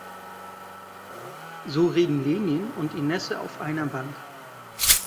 So reden Lenin und Inessa auf einer Bank.